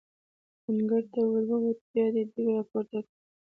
د انګړ ته ور ووتو، بیا یې دېګ را پورته کړ.